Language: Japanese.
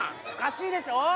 おかしいでしょ！